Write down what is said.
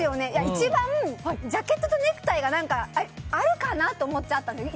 一番ジャケットとネクタイがあるかなって思っちゃったんです。